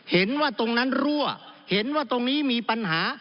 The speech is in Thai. เห็นว่าตรงนั้นรั่วเห็นว่าตรงนี้มีปัญหา